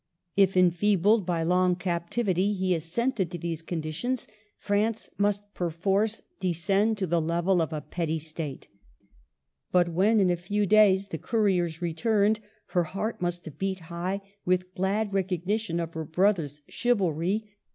If, enfeebled by long cap tivity, he assented to these conditions, France must perforce descend to the level of a petty State. But when in a few days the couriers returned, her heart must have beat high with glad recog nition of her brother's chivalry.